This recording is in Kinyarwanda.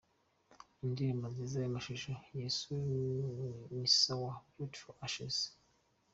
Indirimbo nziza y’amashusho: Yesu ni sawa ya Beauty For Ashes.